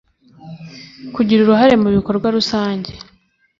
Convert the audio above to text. Kugira uruhare mu bikorwa rusange